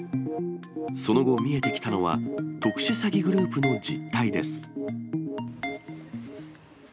その後、見えてきたのは、特殊詐欺グループの実態です。